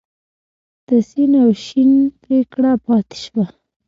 د سین او شین پیکړه پاتې شوه.